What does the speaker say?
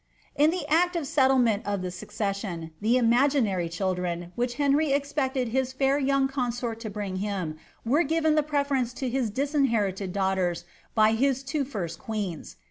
In the act of settlement of the succession, the imaginary children^ which Henry expected his fair young consort to bring him, were given the preference to his disinherited daughters, by his two first queens.